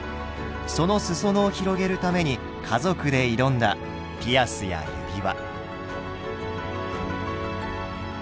その裾野を広げるために家族で挑んだピアスや指輪。